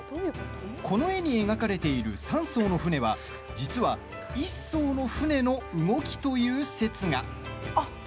この絵に描かれている３そうの船は実は１そうの船の動きという説が。